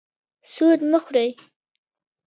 سود مه خورئ